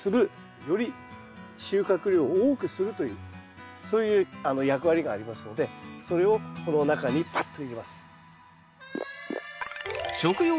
より収穫量を多くするというそういう役割がありますのでそれをこの中にパッと入れます。